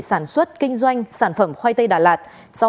sản xuất kinh doanh sản phẩm khoai tây đà lạt